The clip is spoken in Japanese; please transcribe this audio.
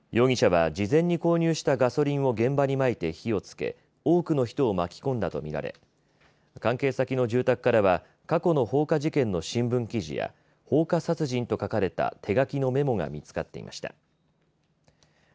容疑者は事前に購入したガソリンを現場にまいて火をつけ多くの人を巻き込んだとみられ関係先の住宅からは過去の放火事件の新聞記事や放火殺人と書かれた手書きのメモが見つかっていました。